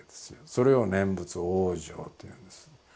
それを「念仏往生」というんです。